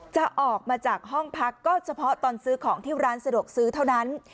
จะออกมาจากห้องพักก็เฉพาะตอนซื้อของที่ร้านสะดวกซื้อเท่านั้น